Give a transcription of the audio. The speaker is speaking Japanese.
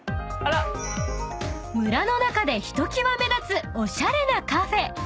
［村の中でひときわ目立つおしゃれなカフェ］